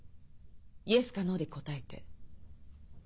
イエスかノーで答えて。